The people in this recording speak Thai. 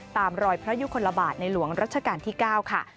ตามรอยพระยุคลบาทในหลวงรัชกาลที่๙ค่ะ